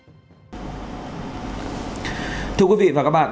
xin chào quý vị và các bạn